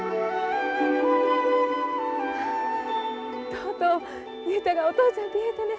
とうとう雄太がお父ちゃんて言うたね。